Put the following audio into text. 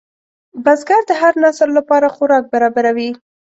بزګر د هر نسل لپاره خوراک برابروي